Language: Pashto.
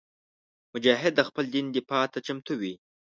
مجاهد د خپل دین دفاع ته چمتو وي.